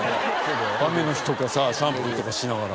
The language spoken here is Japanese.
雨の日とかさシャンプーとかしながら。